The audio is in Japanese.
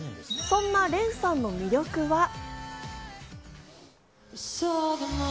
そんな、れんさんの魅力は。